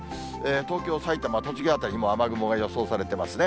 東京、埼玉、栃木辺りにも雨雲が予想されていますね。